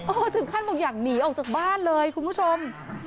ถึงขั้นบอกอยากหนีออกจากบ้านเลยคุณผู้ชม